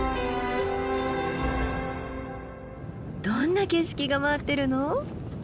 どんな景色が待ってるの？